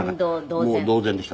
もう同然でした。